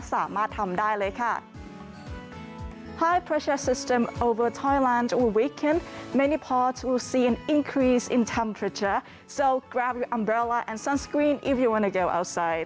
สามารถทำได้เลยค่ะ